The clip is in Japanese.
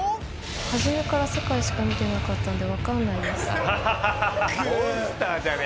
始めから世界しか見てなかったのでわからないです。